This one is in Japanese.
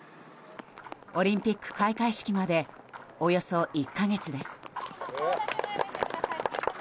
オリンピック開会式までおよそ１か月です。